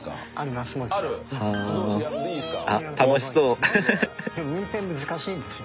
でも運転難しいんですよ。